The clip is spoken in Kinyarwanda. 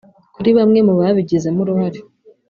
kuri bamwe mu babigizemo uruhare